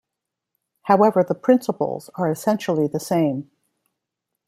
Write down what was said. However, the principles are essentially the same.